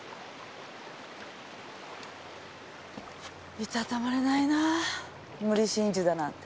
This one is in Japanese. いたたまれないなぁ無理心中だなんて。